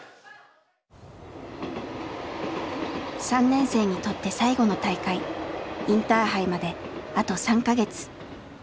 ３年生にとって最後の大会インターハイまであと３か月。